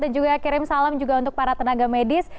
dan juga kirim salam juga untuk para tenaga medis